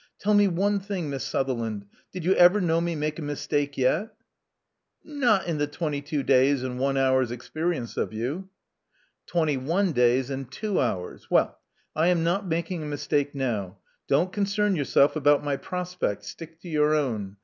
Tell me one thing. Miss Sutherland, did you ever know me make a mistake yet?'* *'Not in my twenty two days and one hour's experi ence of you." '* Twenty one days and two hours. Well, I am not making a mistake now. Don't concern yourself about my prospects: stick to your own.